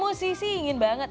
musisi ingin banget